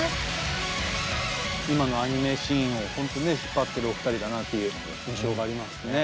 今のアニメシーンを引っ張ってるお二人だなという印象がありますね。